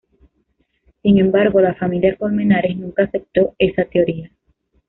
Sin embargo, la familia Colmenares nunca aceptó esa teoría.